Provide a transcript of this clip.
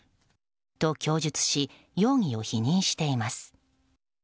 と、供述し容疑を否認しています。